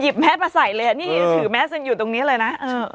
หยิบแมสมาใส่เลยถือแมสอยู่ตรงนี้เลยนะ